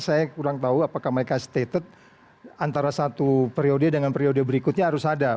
saya kurang tahu apakah mereka stated antara satu periode dengan periode berikutnya harus ada